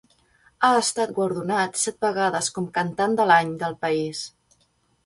Ha estat guardonat set vegades com "Cantant de l'Any" del país.